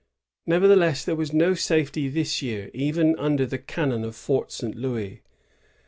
Nevertheless, there was no safety this year, even under the cannon of Fort St. Louis.